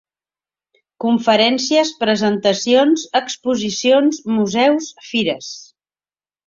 Conferències presentacions exposicions museus fires.